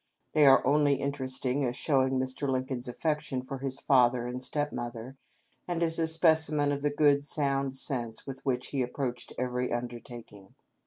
They are only interesting as showing Mr. Lincoln's affection for his father and step mother, and as specimens of the good, sound sense with which he approached every undertaking.